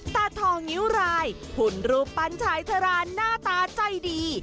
ตาทองนิ้วรายหุ่นรูปปั้นชายธารานหน้าตาใจดี